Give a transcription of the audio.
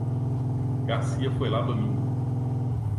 Garcia foi lá domingo.